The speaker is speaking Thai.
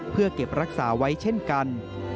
เพื่อเก็บรักษาไว้เช่นกัน